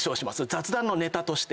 雑談のネタとして。